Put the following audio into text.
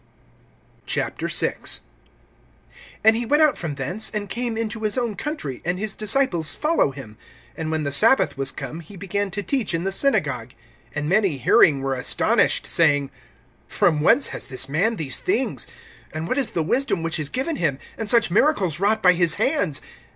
VI. AND he went out from thence, and came into his own country; and his disciples follow him. (2)And when the sabbath was come, he began to teach in the synagogue. And many hearing were astonished, saying: From whence has this man these things? And what is the wisdom which is given him, and such miracles wrought by his hands?